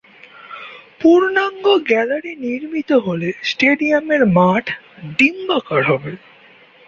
পূর্ণাঙ্গ গ্যালারি নির্মিত হলে স্টেডিয়ামের মাঠ ডিম্বাকার হবে।